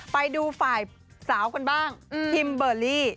ไปดูฝ่ายสาวกันบ้างคิมเบอร์รี่